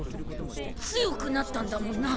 強くなったんだもんな？